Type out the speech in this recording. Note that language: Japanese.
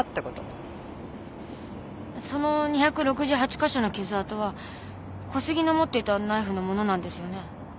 その２６８か所の傷あとは小杉の持っていたナイフのものなんですよね？